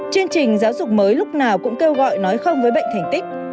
chương trình giáo dục mới lúc nào cũng kêu gọi nói không với bệnh thành tích